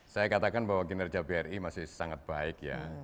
saya katakan bahwa kinerja bri masih sangat baik ya